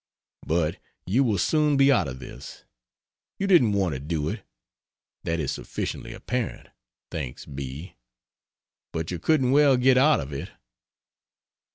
But you will soon be out of this. You didn't want to do it that is sufficiently apparent, thanks be! but you couldn't well get out of it.